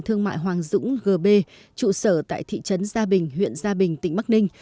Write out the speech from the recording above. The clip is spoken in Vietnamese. thương mại hoàng dũng gb trụ sở tại thị trấn gia bình huyện gia bình tỉnh bắc ninh